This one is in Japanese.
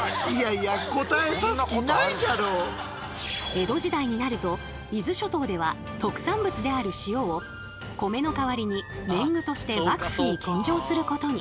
江戸時代になると伊豆諸島では特産物である「塩」を米の代わりに年貢として幕府に献上することに。